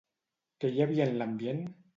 Què hi havia en l'ambient?